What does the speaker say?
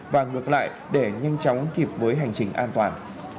và ngược lại để nhanh chóng kịp với hành trình an toàn